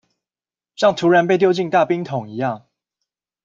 像突然被丟進大冰桶一樣